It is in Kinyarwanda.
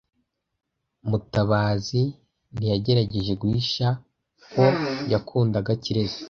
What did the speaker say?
Mutabazi ntiyagerageje guhisha ko yakundaga Kirezi .